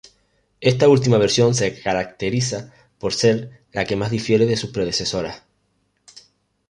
Esta última versión se caracteriza por ser la que más difiere de sus predecesoras.